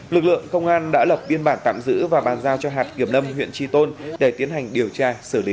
lực lượng công an đã lập biên bản tạm giữ và bàn giao cho hạt kiểm lâm huyện tri tôn để tiến hành điều tra xử lý